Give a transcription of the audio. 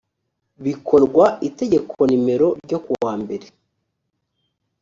bikorwa itegeko nimero ryo kuwa mbere